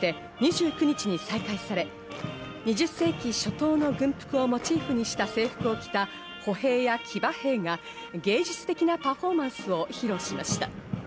しかし感染状況が落ち着いてきたとして２９日に再開され、２０世紀初頭の軍服をモチーフにした制服を着た歩兵や騎馬兵が芸術的なパフォーマンスを披露しました。